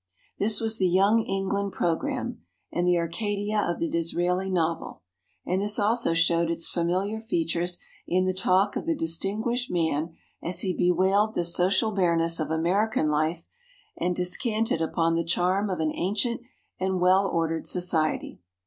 This was the Young England programme, and the Arcadia of the Disraeli novel. And this also showed its familiar features in the talk of the distinguished man as he bewailed the social bareness of American life and descanted upon the charm of an ancient and well ordered society.